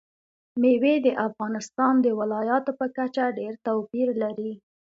مېوې د افغانستان د ولایاتو په کچه ډېر توپیر لري.